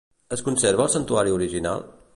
Es conserva el santuari original?